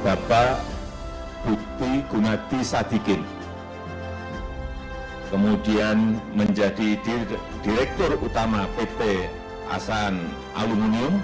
bapak bukti gunadi sadikin kemudian menjadi direktur utama pt asan aluminium